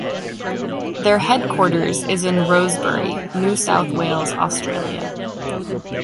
Their headquarters is in Rosebery, New South Wales, Australia.